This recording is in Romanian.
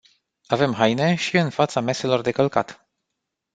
Avem haine și în fața meselor de călcat.